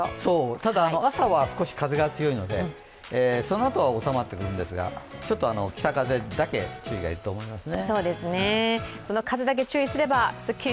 ただ、朝は少し風が強いので、そのあとは収まってくるんですが、ちょっと北風だけ注意が要ると思いますね。